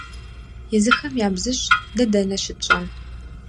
Езыхэм ябзыщӀ, дэ дэнэ щытщӀэн?